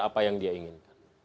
apa yang dia inginkan